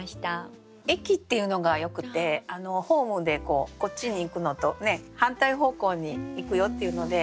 「駅」っていうのがよくてホームでこっちに行くのと反対方向に行くよっていうので。